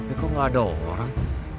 tapi kok gak ada orang